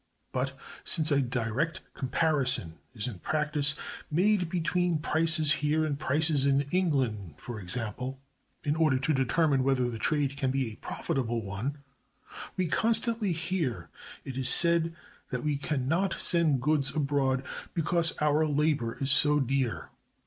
But, since a direct comparison is in practice made between prices here and prices in England (for example), in order to determine whether the trade can be a profitable one, we constantly hear it said that we can not send goods abroad because our labor is so dear.